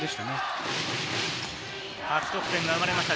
初得点が生まれました